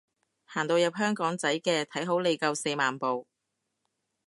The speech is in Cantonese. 行到入香港仔嘅，睇好你夠四萬步